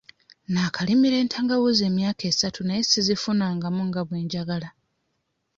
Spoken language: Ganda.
Naakalimira entangawuuzi emyaka esatu naye sizifunamu nga bwe njagala.